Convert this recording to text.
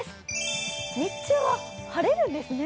日中は晴れるんですね。